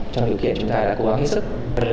trong điều kiện chúng ta đã cố gắng hết sức